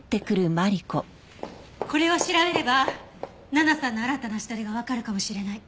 これを調べれば奈々さんの新たな足取りがわかるかもしれない。